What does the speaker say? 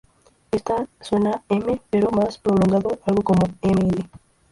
Este suena "m" pero más prolongado, algo como "mn".